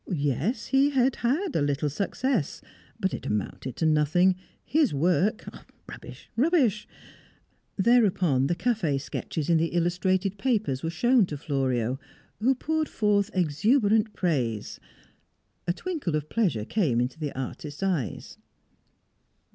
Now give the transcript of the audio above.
Yes, he had had a little success; but it amounted to nothing; his work rubbish! rubbish! Thereupon the cafe sketches in the illustrated papers were shown to Florio, who poured forth exuberant praise. A twinkle of pleasure came into the artist's eyes.